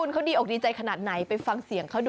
เงินที่ได้จะเอาไปไหนก่อน